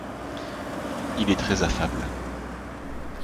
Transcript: Il est très affable.